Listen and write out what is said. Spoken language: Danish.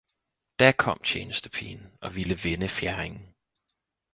Da kom tjenestepigen og ville vende fjerdingen.